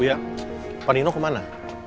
uya pak nino kemana